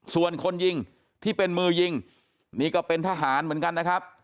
ส่วนคนยิงที่เป็นมือยิงนี่ก็เป็นทหารเหมือนกันนะครับ